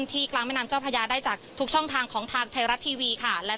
พูดสิทธิ์ข่าวธรรมดาทีวีรายงานสดจากโรงพยาบาลพระนครศรีอยุธยาครับ